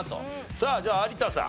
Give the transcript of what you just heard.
さあじゃあ有田さん。